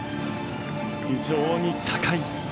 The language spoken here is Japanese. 非常に高い。